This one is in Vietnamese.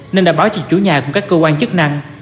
nên đã báo cho chủ nhà cùng các cơ quan chức năng